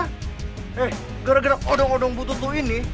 eh gara gara odong odong butut lu ini